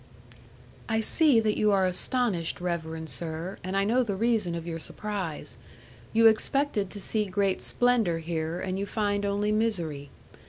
"I see that you are astonished, reverend sir, and I know the reason of your surprise. You expected to see great splendour here, and you find only misery.